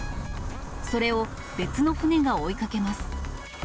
それを別の船が追いかけます。